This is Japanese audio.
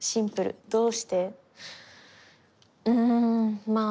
うんまあ